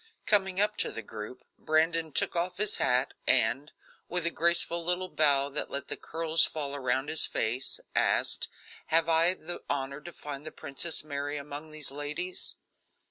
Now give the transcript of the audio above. Coming up to the group, Brandon took off his hat, and, with a graceful little bow that let the curls fall around his face, asked: "Have I the honor to find the Princess Mary among these ladies?"